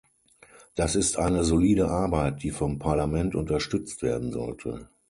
Das ist eine solide Arbeit, die vom Parlament unterstützt werden sollte.